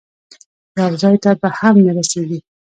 یو ځای ته به هم نه رسېږي.